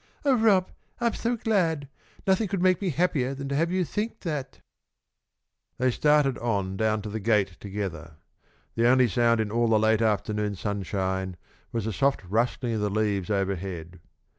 "Oh, Rob! I'm so glad! Nothing could make me happier than to have you think that!" They started on down to the gate together. The only sound in all the late afternoon sunshine was the soft rustling of the leaves overhead.